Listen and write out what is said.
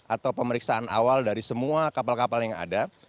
atau pemeriksaan awal dari semua kapal kapal yang ada